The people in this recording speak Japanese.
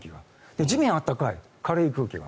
地面は暖かい、軽い空気が。